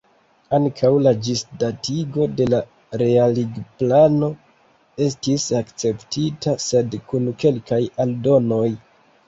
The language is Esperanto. Ankaŭ la ĝisdatigo de la realigplano estis akceptita, sed kun kelkaj aldonoj.